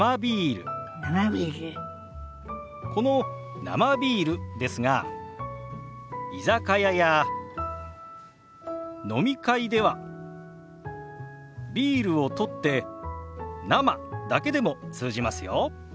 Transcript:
この「生ビール」ですが居酒屋や飲み会では「ビール」を取って「生」だけでも通じますよ。